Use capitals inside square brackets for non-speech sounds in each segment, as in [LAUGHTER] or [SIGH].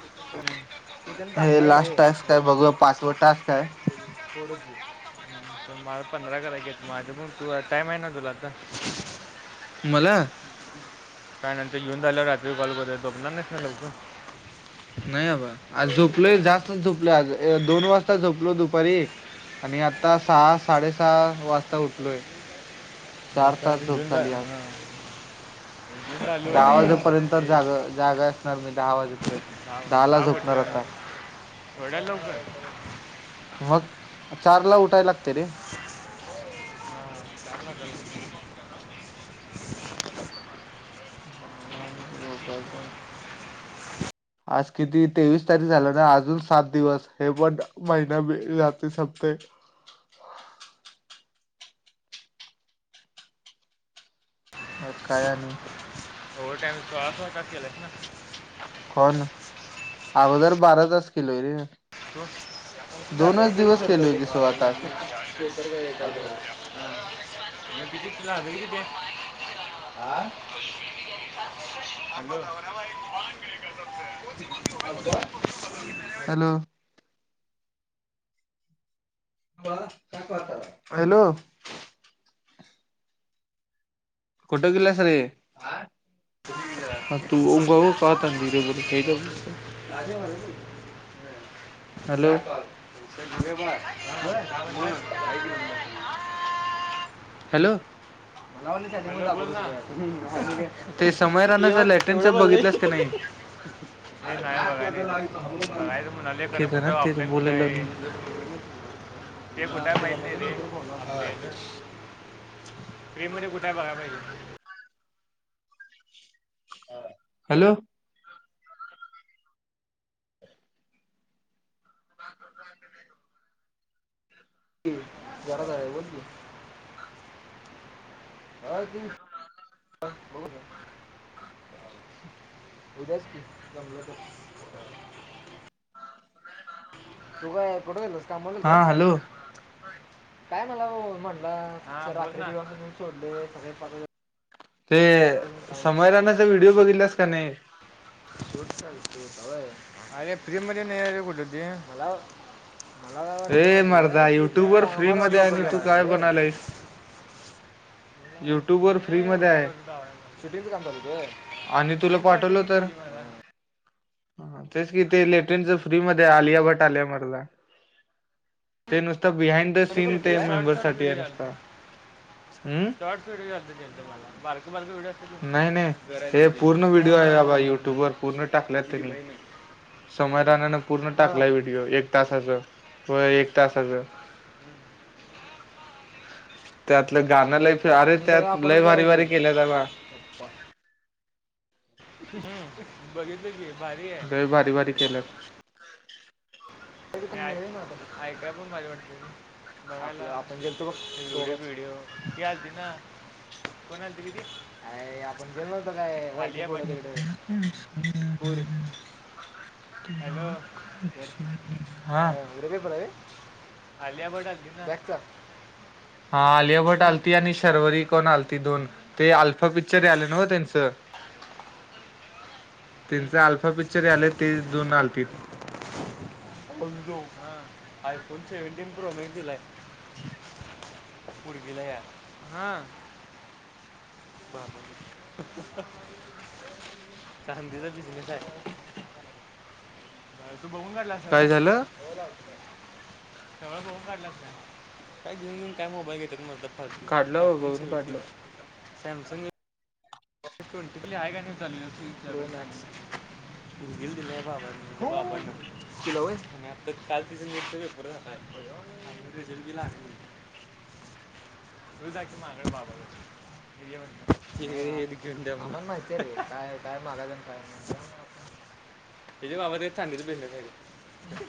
हम् हे last task काय बघू पाचवं टास्क आहेय मला पंधरा कराय घेत माझं पग तू टाइम आहे ना तुलाता मला काय नंतर घेऊन झालेवर रात्री कॉल बतोणार नाहीस नाही अबा आज झोपलोय जास्त झोपलो आज दोन वाजता झोपलो दुपारी आणि आता सहा साडेसहा वाजता उठलोय मग चार काय तास ते झोप येऊन जा झाली आज हां. येऊन झालो दहा ने वाजेपर्यंत हे जाग जागा असणार मी दहा वाजेपर्यंत दहा ला झोपणार आता थोड्या लो मग चार ला उठायला लागते रे ह आता नि त उपायचा आज किती तेवीस तारीख झाला ना अजून सात दिवस हे पण महिना ब जे संपते म काय आणि ओवर टाम आ क का क केयलायस ना कोण अगोदर बारा तास किलोय रे आ झाडून दोनच दिवस करताय केलोय की सोळा तास ते तरर काय येतय हती झागली दे आह [UNINTELLIGIBLE] हॅलो हॅलो कोठो गला स र [INAUDIBLE] कवालं ते. हॅलो. [INAUDIBLE] हॅलो ते मला समय क म राणाचा केवढ लॅटनच बोलला बघितलंस का नाही हे नाही बघाय नाही बघायचं म्हणाले खरं केताना कुठं तेच ऑफलाईन बोलेल कुठं ते गड महिर फोण आपले तेे मध्ये कुठे बघा पाहिजे हा. हॅलो. जरा जा आहे. बोल की? आ तु बल. उद्याच की जमलं तर. ह. तू का कुठे गेलतस? कामावर गेलत हा काय? हॅलो काय मला म्हटलंस रात्री दिवून सोडले सकाळी ते समयरानाचा व्हिडिओ बघितलास का नाही? अरे फ्री मध्ये नाही रे कुठ ते. मला काय वाटलं ए माहिती काय मर्दा की तुम्ही युट्यूब वर फ्री कामावर एवढ्या मध्ये लोकर आणि तू गेलायसा काय होय. बनालायस युट्यूब वर म फ्री नाही मध्ये आहे युटुबवर चालू करनार. सिटीगवर जाऊन चालु कर. आणि तुला पाठवलं तर हा तेच कि ते लेटेनच फ्री मध्ये आलिया भट आल्या मरदा. ते नुसत बिहाइंड द कोणी पण सीन होतं त्यांचे त्या काय शॉर्ट मेंबर शॉर्ट साठी व्हिडिओ आहे नुसता. हम् व तुमला बारक बारक वेग- नाही नाही ते पूर्ण व्हिडिओ आहे हां बाबा हां हां युट्यूब वर पूर्ण टाकल्यात तुझी त्यांनी. बहीण आहे समाधानन पूर्ण हां टाकलाय म्हणजे व्हिडिओ एक तासाच व्हय एक तासाच. हम्म त्यातलं गाणं लईफे अरे त्यात लय भारी भारी केल्यात अबा. त्यात. ह बघितलं की. भारी ग भारी भारी आहे केल्यात. आहे ना ऐकाय पण भारी वाटतंय. आपण गेलतो बघ. व्हिडिओ ती आलती ना! कोण आलती ती? कि आपण गेलो नव्हतो काय? [UNINTELLIGIBLE] हॅलो हा. हां आलिया भट आली. ना बॅगचा हा आलियाभट हम्म आलती आणि शर्वरी कोणाल ते दोन ते अल्फा पिक्चर यालय नव्ह त्यांचं. त्यांच आल्फा पिक्चर यालंय ते दोन आलतीत. आमुलभाऊ. हा. आयफोन सेवेंटिन प्रो मॅक्स दिलाय. [UNINTELLIGIBLE] पोरगीला या. हा. [INAUDIBLE] चांदीचा बिझनेस हाय. तू बघून काढलास व्हय. काय झालं सगळं बघून काढलास काय? घेऊन घेऊन काय मोबाईल घेत्यात मर्दा. काढलं आयफोन बघून सेवेंटिन काढलं सॅमसंग पल्ली हायकी नाही चांगली व्य- दोन आठशे [UNINTELLIGIBLE] तिला होय. आणि आता काल तिचा नीट चा पेपर झालाय. [UNINTELLIGIBLE] अजून रिझल्ट बी लागला नाही. [UNINTELLIGIBLE] [UNINTELLIGIBLE] [UNINTELLIGIBLE] माहितेय की. काय, काय मागायला न काय नाही. [UNINTELLIGIBLE] ही च्या बाबाच चांदीच बिझनेस हाय रे.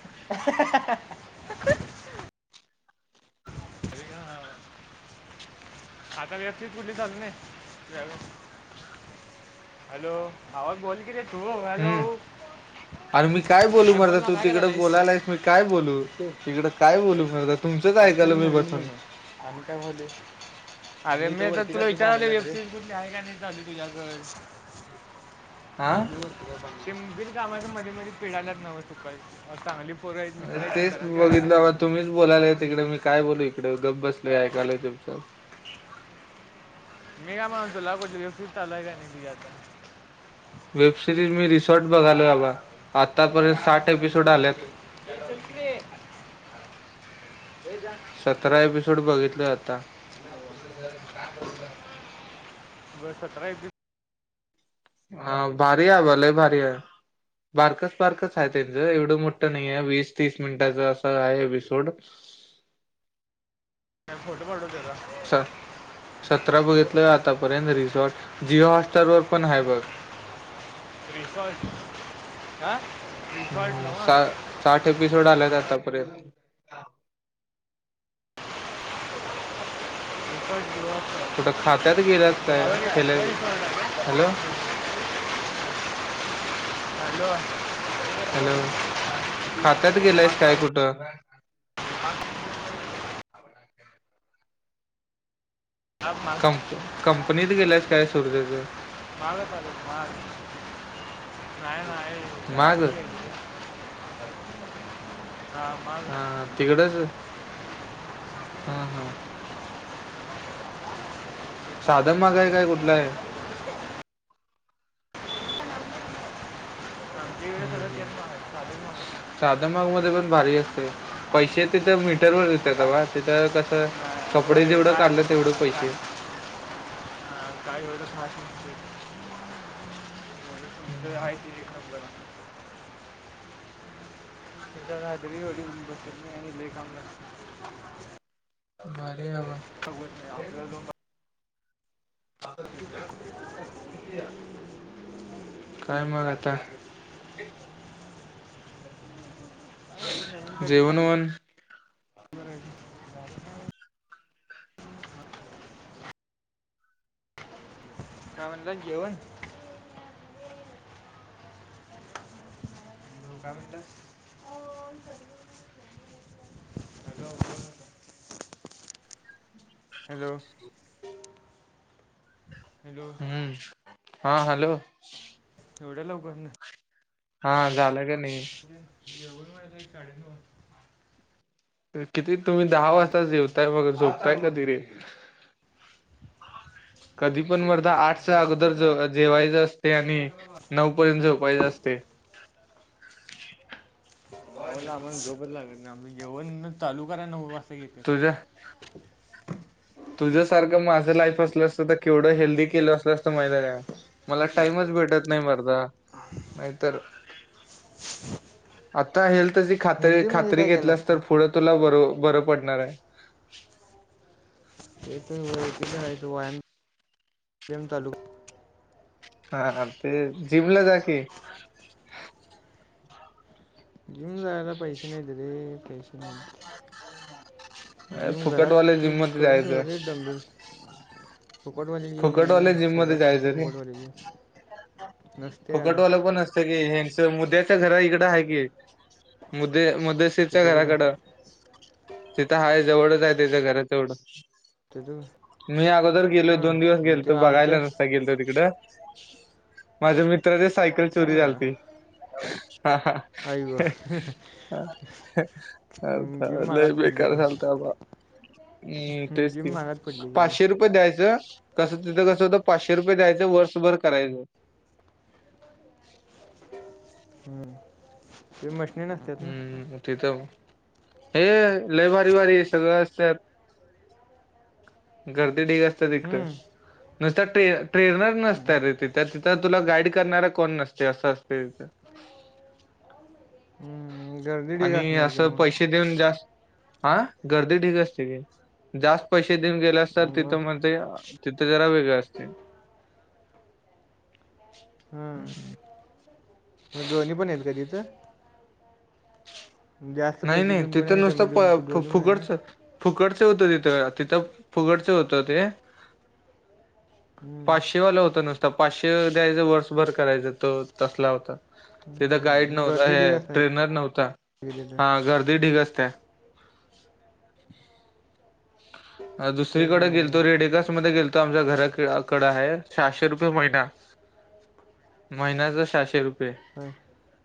हेंये हेंये हेंये हेंये अरे होय ना. का- आता वेब चीच कुठली चालू नाही? चाल् हॅलो. भावा बोल तू हॅलो हम्म अरे बोल ना. काय करलयस? त्यावेळेस काय बोल येते. काही नाही. काय ऐकायलो तरी मी नवीन बसून म्हण. आणि काय बोलले. अरे मी तर तुला विचारली. वेबसाइट कुठली आहे का नाही चालू, तुझ्याकड. [UNINTELLIGIBLE] हा [UNINTELLIGIBLE] चिंब, बिन कामाच्या मध्ये मध्ये पिढायलाच नवं चुका. चांगली पोरयत. अर, तेच बघितलं म, तुम्हीच बोलायला तिकडे मी काय बोलू इकडं. गप बसलोय. ऐकायलो तुमचं. मी काय मनायलो तुला. [UNINTELLIGIBLE] चालूय का नाही तुझी आता. वेब सिरीज मी रिसॉर्ट बघालो आबा. आतापर्यंत साठ एपिसोड आल्यात. चल की रे. ये जा [UNINTELLIGIBLE] थोड बघितलय आता. [UNINTELLIGIBLE] [UNINTELLIGIBLE] अ भारीय आबा. लय भारी हाय. बारकस, बारकच हाय त्यांचं. एवढं मोठं नाहीय. वीस- तीस मिनिटाचं असं आहे एपिसोड. फोटो पाठवून [UNINTELLIGIBLE] सर, सतरा बघितलय आतापर्यंत रिसॉर्ट. जिओ हॉट स्टारवर पण हाय बघ. रिसॉर्ट, आं. रिसॉर्ट हम्म नव्हं. सा साठ एपिसोड आल्यात आतापर्यंत. [UNINTELLIGIBLE] कुठं खात्यात गेल्यात काय? केेल्या. रिसॉर्ट आहे का हॅलो. [UNINTELLIGIBLE] हॅलो. हॅलो, खात्यात गेलायस मागता काय, कुठं? माग माग कंप, कंपनीत गेल्यास काय, सुरजेचं? मागं पडेल [UNINTELLIGIBLE] नाही नाय. माग घरापसी हाय [UNINTELLIGIBLE] हा तिकडच. [UNINTELLIGIBLE] हम, हम्. साधं मागाय काय, कुठलाय? आमच्या इकडे हम्म सगळं - तेच हम्म. महाग आहे चालेल मग साधं माग मध्ये पण, भारी असतय. पैसे तिथं मीटरवर देतात काय बा. तिथं कसं, नाही, कपडे जेवढं काढलं तेवढं, पैसे. [UNINTELLIGIBLE] अ काय एवढंच माहित हम्म [UNINTELLIGIBLE] [UNINTELLIGIBLE] [UNINTELLIGIBLE] लय काम लाव [UNINTELLIGIBLE] [UNINTELLIGIBLE] भारीय आबा. [UNINTELLIGIBLE] आपल्याला [UNINTELLIGIBLE] [UNINTELLIGIBLE] काय, मग आता? काय आता, नवीन काय तरी जेवण चालू वण करायचं. [UNINTELLIGIBLE] काय म्हणला, जेवन? [UNINTELLIGIBLE] काय मनताय? [UNINTELLIGIBLE] [UNINTELLIGIBLE] Hello hello. हम्म हा हॅलो. एवढ्या [UNINTELLIGIBLE] हा, झालं का नाही? जेवण व्हायला, एक साडे- नऊ किती तुम्ही दहा साडे वाजता जेवताय. मग झोपताय कधी रे? कधी पण मर्दा आठच्या ते अगोदर जेव अह जेवायचं असतय आणि नऊ पर्यंत झोपायचं असतय. [INAUDIBLE] नवला आम्हाला झोपचं लागत नाही जेवण चालू कराय नऊ वाजता घेते. तुझ्या तुझ्यासारखं माझं लाईफ असलं असतं, तर केवढं हेल्दी केलं असलं असतं महिती हाय काय? मला टाइमच भेटत नाही मर्दा नाहीतर आता हेल्थची खात्री हेल्दी म्हणजे खात्री काय केलं घेतल्यास असतं तर पुढं तुला बरो बरं पडणार आहे. ते तर ओळखीचं हाय व्यायाम व्याम चालू हा हा ते जिमला जा कि जिम जायलां पैशे नाहीत रे पैशे हम्म जिम घरात फुकटवाल्या ते जिम मध्ये करून जायचं ठेवले डंबेल्स फुकटवाली जीम नाही आहे ना फुकटवाल्या जिम मध्ये शहरात नसत्या जायचं रे फुकटवाली जिम नसत्या फुकटवालं पण असतं की ह्याचं मुद्याच्या घरा इकडं हाय की मुद्दे मुद्देस तिच्या तिथं कुठं घराकडं तिथं हाय जवळचं आहे त्याच्या घरा तेवढं ते तु. मी अगोदर गेलोय दोन दिवस गेलतो आमच्या बघायला नुसता गेलतो तिकडं माझ्या मित्राची सायकल चोरी हां झालती. हा हा आई व हे हा. आता जिम महागात लय पडली बेकार की झालतं बा हम्म तेच जिम की महागात पाचश पडली की रे. पाचशे रुपये द्यायचं कसं तिथं कसं होतं पाचशे रुपये द्यायचं वर्षभर करायचं. हम्म ते मशनी नसत्यात ना. हम्म तिथं हे लय भारी भारी सगळं असत्यात. गर्दी ढीग असत्या तिकडं हम्म. नुसता टे ट्रेनर नसत हम्म. रे तिथं, तिथं तुला गाईड करणारा कोण नसतयं असं असतय तिथं. हम्म. गर्दी ठीक आणि असणार की असं मग पैशे देऊन जास्त आ गर्दी ढीग असत्या की. जास्त पैशे देऊन गेल्या असत मग तिथं म्हणते तिथं जरा वेगळं असतयं. [INAUDIBLE] हम्. हम्म. म दोन्ही पण आहेत का तिथं? जास्त नाही पैशे नाही देऊन पण तिथं आणि नुसतं कमी प देऊन तू फुकटच दोन्ही पण हाय काय? फुकटचं फुकटचं होतं तिथं तिथं फुकटचं होत ते. हम्म. पाचशेवालं होतं नुसत पाचशे द्यायचं वर्षभर करायचं तो तसला होता तिथं गाईड हम्म. नव्हता गर्दी हे ठीक असणार ट्रेनर नव्हता. [UNINTELLIGIBLE] हा गर्दी ढीग असत्या. अ तेच दुसरीकड म्हणाले गेलतो रेडिदास मध्ये गेलतो आमच्या घराककडं आहे सहाशे रुपये महिना. महिन्याचं सहाशे रुपये होय.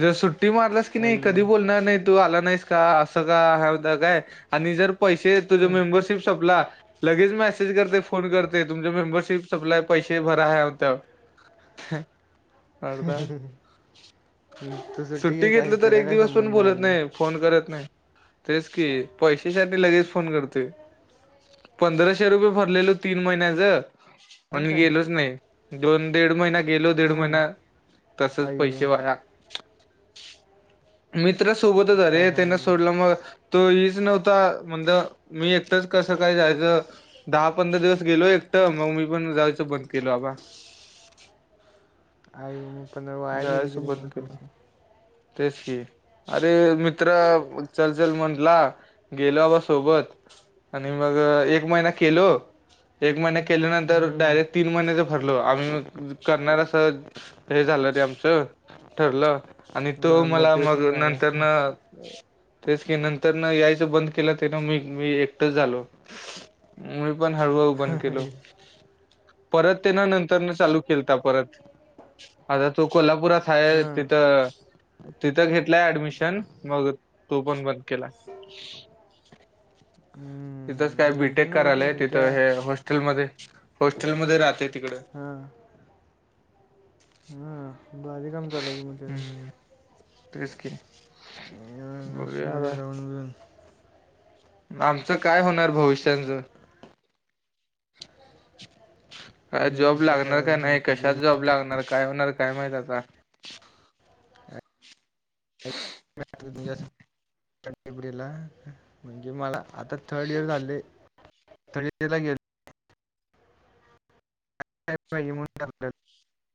जर सुट्टी मारलास की नाही कधी बोलणार नाहीत. तू आला नाहीस का असं का हे होता काय आणि जर पैशे तुझा हं. मेंबरशिप सपला लगेच मेसेज करतय फोन करतय तुमचा मेंबरशिप सपलाय पैशे भरा ह्याव त्याव ह्या अर्दा हं. तसं ठीक सुट्टी आहे काय घेतली तर त्याचा एक काय दिवस पण संबंध बोलत म्हणा नाही फोन करत नाही तेच की पैशासाठी लगेच फोन करतोय. पंधराशे रुपये भरलेलो तीन महिन्याच ना आणि काय गेलोच नाही. दोन दीड महिना गेलो दीड हां महिना तसचं आई पैशे गं. वाया. मित्र सोबतचं काय आरे त्यांन सांगालीस सोडला मग तो हेच नव्हता म्हणलं मी एक एकटच कसं काय जायचं दहा पंधरा दिवस गेलो एकटं मग मी पण जायचं बंद केलो आबा. आ यो मग पंधरा वायाच गेले की जायचं बंद मग केलं पैशे तेच की अरे मित्र चलचल म्हटला गेलो बाबा सोबत आणि मग एक महिना केलो एक महिन्या केल्यानंतर हम्म. डायरेक्ट तीन महिन्याच भरलो आम्ही करणार असं हे झालंल आमच ठरलं आणि तो मला मग मोटिवेशनल झाला नंतर न तेच की नंतर न यायचं बंद केलं ते ना मी मी एकटंच झालो मी पण हळव बन केलो परत ते ना नंतर न चालू केलता परत आता तो कोल्हापुरात आहे हां तिथं तिथं घेतलाय ऍडमिशन मग तो पण बंद केला हम्म तिथंच काय नंतर बीटेक ना होत नाही करायलाय रे त्या तिथं हे हॉस्टेलमध्ये हॉस्टेलमध्येध्ये राहते तिकड हां हा भारी काम तला के मग त्या हम्म तेच के चना अस मजा जाऊन मिगून आमचं काय होणार भविष्याच ह नाही जॉब विचार लागणार करायचा का नाही जे कशात जॉब लागणार काय होणार काय माहित आता ज सपडीला म्हणजे मला आता थर्ड इयर झाचाले थर्ड इयर ला गे हयय